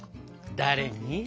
誰に？